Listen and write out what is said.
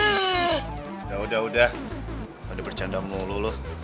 udah udah udah udah bercanda mulu lu